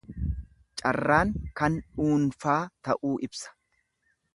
Carraan kan dhuunfaa ta'uu ibsa.